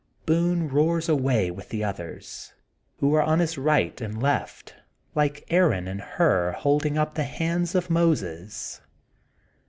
^ Boone roars away with the others, who are on his right and left, like Aaron and Hur holding np the hands of Moses.